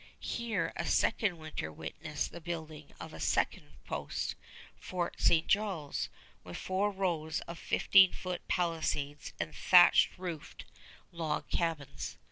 Here a second winter witnessed the building of a second post, Fort St. Charles, with four rows of fifteen foot palisades and thatched roofed log cabins.